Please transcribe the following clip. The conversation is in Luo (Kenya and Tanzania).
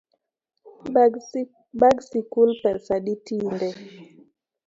Bag sikul pesa adi tinde?